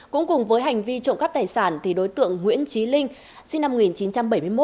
cũng cùng với hành vi trộm cắp tài sản đối tượng nguyễn trí linh sinh năm một nghìn chín trăm bảy mươi một